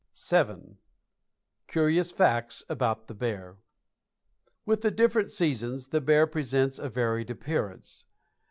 VII. CURIOUS FACTS ABOUT THE BEAR. With the different seasons the bear presents a varied appearance.